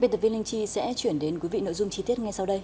biên tập viên linh chi sẽ chuyển đến quý vị nội dung chi tiết ngay sau đây